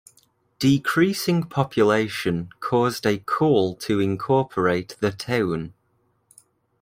Decreasing population caused a call to incorporate the town.